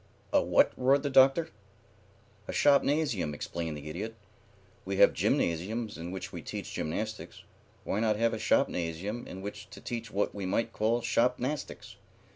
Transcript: "A what?" roared the Doctor. "A shopnasium," explained the Idiot. "We have gymnasiums in which we teach gymnastics. Why not have a shopnasium in which to teach what we might call shopnastics?